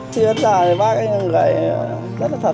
chuyên giải bác anh gái rất là thật